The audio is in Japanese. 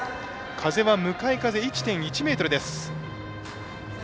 風は向かい風１．１メートルです。